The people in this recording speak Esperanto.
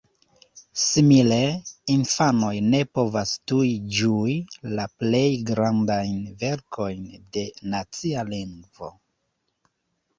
Simile, infanoj ne povas tuj ĝui la plej grandajn verkojn de nacia lingvo!